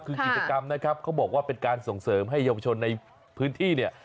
คือกิจกรรมนะครับเขาบอกว่าเป็นการส่งเสริมให้เยาวชนในพื้นที่เนี่ย